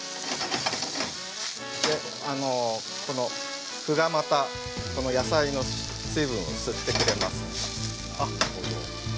この麩がまたこの野菜の水分を吸ってくれます。